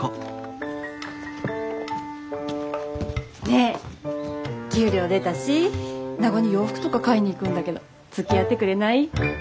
ねえ給料出たし名護に洋服とか買いに行くんだけどつきあってくれない？